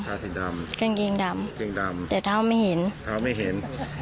สีดำกางเกงดำกางเกงดำแต่เท้าไม่เห็นเท้าไม่เห็น